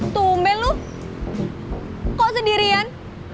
tumben lu kok sendirian